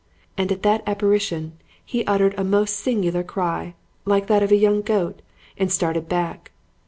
And at that apparition he uttered a most singular cry, like that of a young goat, and started back.